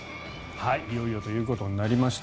いよいよということになりました。